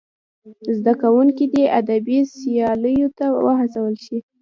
زدهکوونکي دې ادبي سیالیو ته وهڅول سي.